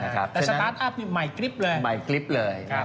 แต่สตาร์ทอัพนี้ใหม่กริปเลย